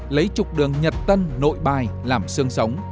lấy chục đường nhật tân nội bài làm sửa